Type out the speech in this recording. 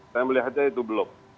saya melihatnya itu belum